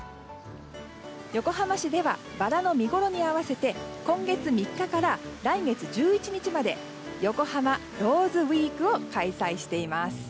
横浜市ではバラの見ごろに合わせて今月３日から来月１１日まで横浜ローズウィークを開催しています。